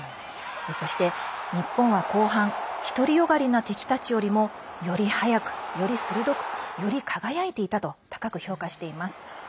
そして日本は後半独りよがりな敵たちよりもより速く、より鋭くより輝いていたと高く評価しています。